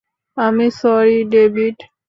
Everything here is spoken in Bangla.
আমি, সরি, ডেভিড!